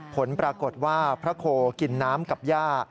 ผลปรากฏว่าพระโคกินน้ำกับย่า